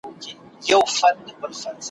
چاچي بد کړي بد به یادیږي `